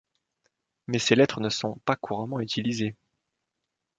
Mais ces lettres ne sont pas couramment utilisés.